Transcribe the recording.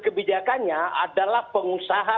kebijakannya adalah pengusaha